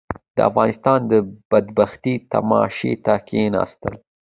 د افغانستان بدبختي تماشې ته کښېناستل.